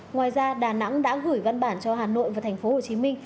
ngoài ra đà nẵng đã gửi văn bản cho hà nội và tp hcm